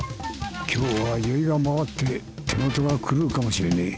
今日は酔いが回って手元が狂うかもしれねえ。